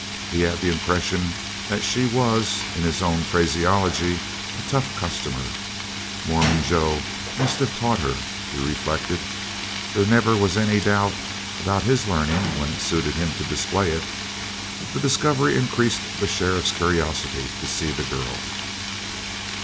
He had the impression that she was, in his own phraseology, "a tough customer." Mormon Joe must have taught her, he reflected. There never was any doubt about his learning when it suited him to display it. The discovery increased the sheriff's curiosity to see the girl.